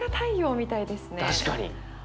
確かに。